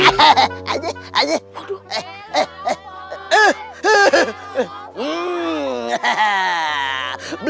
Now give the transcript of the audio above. ya udah ajar aja hughie